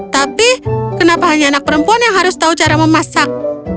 tapi kenapa hanya anak perempuan yang harus tahu cara memasak